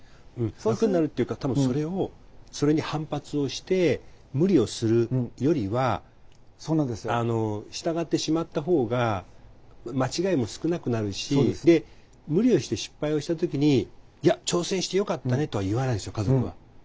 楽になるっていうか多分それに反発をして無理をするよりは従ってしまった方が間違いも少なくなるしで無理をして失敗をした時に「いや挑戦してよかったね」とは言わないですよ家族は。